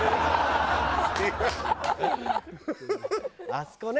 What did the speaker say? あそこね。